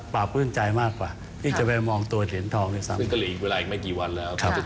ปราบพื้นใจมากกว่าที่จะไปมองตัวเถียนทองอยู่ซ้ำ